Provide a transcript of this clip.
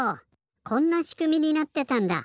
こんなしくみになってたんだ！